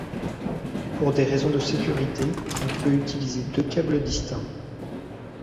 Pour des raisons de sécurité, on peut utiliser deux câbles distincts.